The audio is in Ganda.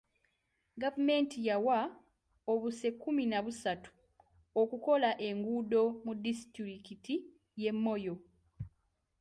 Gavumenti yawa obuse kkumi na busatu okukola enguudo mu disitulikiti y'e Moyo.